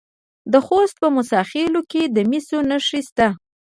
د خوست په موسی خیل کې د مسو نښې شته.